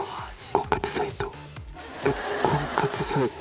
婚活サイト。